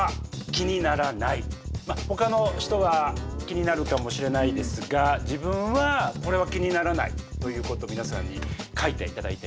ほかの人は気になるかもしれないですが自分はこれは気にならないということを皆さんに書いていただいております。